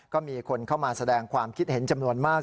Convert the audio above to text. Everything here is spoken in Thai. ก็มีคนเข้ามาแสดงความคิดเห็นจำนวนมาก